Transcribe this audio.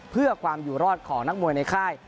เพื่อความอยู่รอดของนักมวยในค่าย